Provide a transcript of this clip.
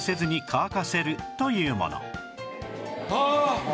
ああ！